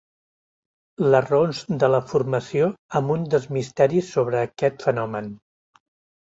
Les raons de la formació amb un dels misteris sobre aquest fenomen.